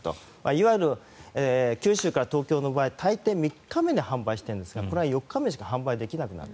いわゆる九州から東京の場合大抵３日目に販売しているんですがこれが４日目にしか販売できなくなる。